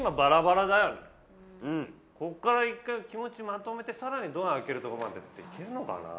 ここから１回気持ちまとめてさらにドア開けるとこまでっていけんのかな？